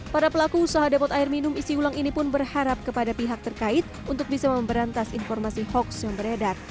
para pelaku usaha depot air minum isi ulang ini pun berharap kepada pihak terkait untuk bisa memberantas informasi hoax yang beredar